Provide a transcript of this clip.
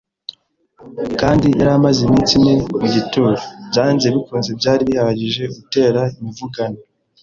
kandi yari amaze iminsi ine mu gituro, byanze bikunze byari bihagije gutera imivurungano.